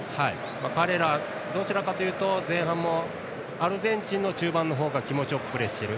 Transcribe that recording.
彼ら、どちらかというと前半もアルゼンチンの中盤のほうが気持ちよくプレーしている。